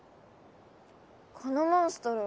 このモンストロ